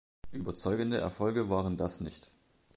Überzeugende Erfolge waren das nicht.